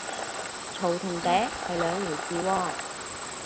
嘈同嗲係兩回事喎